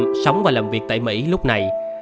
phi nhung đã trở về việt tại mỹ lúc này